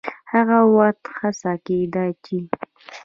هغه وخت هڅه کېده چې